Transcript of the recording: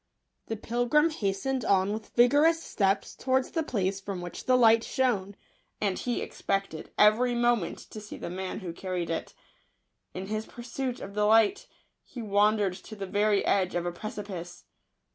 *' The pilgrim hastened on with vigorous steps towards the place from which the light shone ; and he expected every moment to see the man who carried it In his pursuit of the light, he had wandered to the very edge of a precipice.